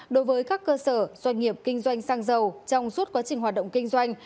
đối với các cơ sở doanh nghiệp kinh doanh xăng dầu trong suốt quá trình hoạt động kinh doanh